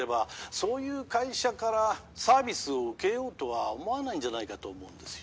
そういう会社からサービスを受けようとは思わないんじゃないかと思うんですよ